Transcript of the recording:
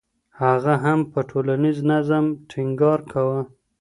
هغه هم په ټولنیز نظم ټینګار کاوه.